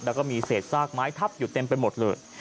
แล้วก็มีเศษซากไม้ทับอยู่เต็มไปหมดเลย